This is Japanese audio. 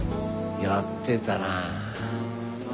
やってたなあ。